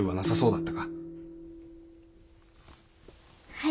はい。